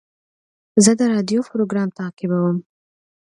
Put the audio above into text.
زه د راډیو پروګرام تعقیبوم.